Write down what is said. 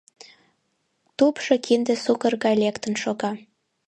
Тупшо кинде сукыр гай лектын шога.